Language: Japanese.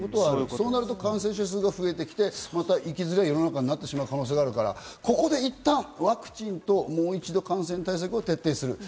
そうなると感染者数が増えて、生きづらい世の中になってしまう可能性があるから、ここでいったんワクチンと感染対策を徹底する。